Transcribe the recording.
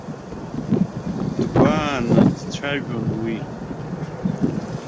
Дгәааны дцәажәон уи.